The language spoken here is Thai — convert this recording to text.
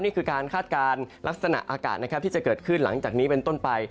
นี่คือการคาดการณ์ลักษณะอากาศนะครับที่จะเกิดขึ้นหลังจากนี้เป็นต้นไป